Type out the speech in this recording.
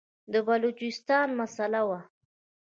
د بلوچستان مسله وه.